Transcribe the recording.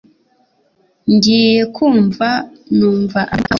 ngiye kumva numva abantu barimo gutaka nkaho hirya